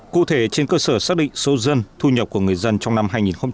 cụ thể trên cơ sở xác định số dân thu nhập của người dân trong năm hai nghìn một mươi chín